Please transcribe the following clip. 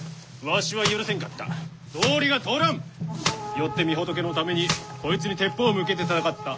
よって御仏のためにこいつに鉄砲を向けて戦った。